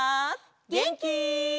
げんき？